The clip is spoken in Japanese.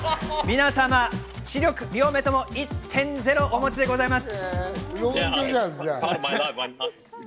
皆様、視力は両眼とも１．０をお持ちでございます。